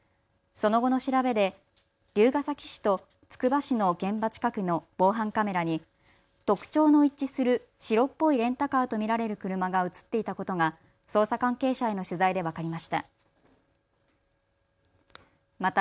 その後の調べで龍ケ崎市とつくば市の現場近くの防犯カメラに特徴の一致する白っぽいレンタカーと見られる車が写っていたことが捜査関係者への取材で分かりました。